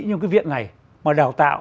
như cái viện này mà đào tạo